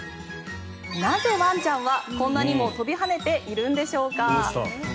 なぜワンちゃんは、こんなにも跳びはねているんでしょうか。